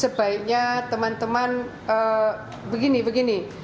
sebaiknya teman teman begini begini